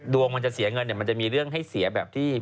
ดวงมันจะเสียเงินเนี่ยมันจะมีเรื่องให้เสียแบบที่